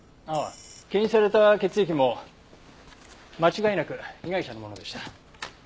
検出された血液も間違いなく被害者のものでした。